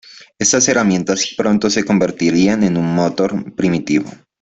Estas herramientas pronto se convertirían en un motor primitivo.